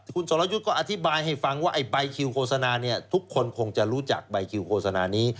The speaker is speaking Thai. คุณสรยุทธ์ก็อธิบายให้ฟังว่าไอ้ใบคิวโฆษณาเนี่ยทุกคนคงจะรู้จักใบคิวโฆษณานี้